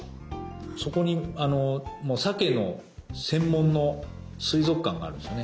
そこにサケの専門の水族館があるんですね。